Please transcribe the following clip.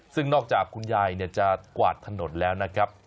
ซึ่งนอกจากคุณยายจะกวาดถนนแล้วนะครับ